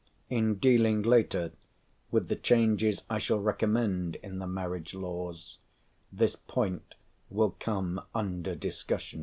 In dealing later with the changes I shall recommend in the marriage laws, this point will come under discussion.